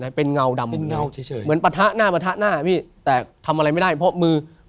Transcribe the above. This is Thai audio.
นึกถึงหลวงปูหรือสีที่ผมนับถึง